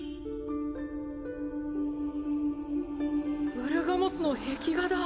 ウルガモスの壁画だ。